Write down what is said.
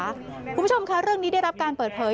คุณผู้ชมค่ะเรื่องนี้ได้รับการเปิดเผย